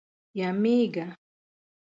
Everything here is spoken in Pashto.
یمېږه.